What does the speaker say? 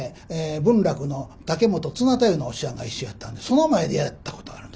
文楽の竹本綱太夫のお師匠はんが一緒やったんでその前でやったことがあるんです。